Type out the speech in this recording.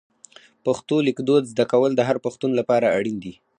پښتو لیکدود زده کول د هر پښتون لپاره اړین دي.